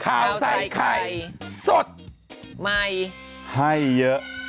ข่าวใส่ไข่สดใหม่ให้เยอะ